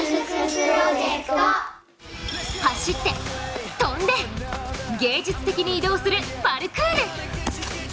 走って、跳んで芸術的に移動するパルクール。